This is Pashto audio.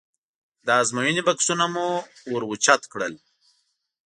د ازموینې بکسونه مو ور اوچت کړل.